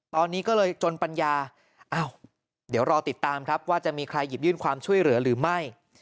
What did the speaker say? ตอนนี้ก็เลยจนปัญญาอ้าวเดี๋ยวรอติดตามครับว่าจะมีใครหยิบยื่นความช่วยเหลือหรือไม่